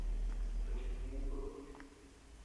Tochi kane yuudum ñeʼe.